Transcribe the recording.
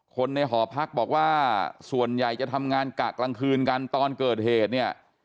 คนในหอพักบอกว่าส่วนใหญ่จะทำงานกะกลางคืนกันตอนเกิดเหตุเนี่ย